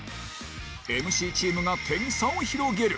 ＭＣ チームが点差を広げる